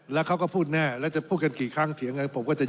แล้วเขาก็พูดแน่แล้วจะพูดกันกี่ครั้งเถียงกันผมก็จะ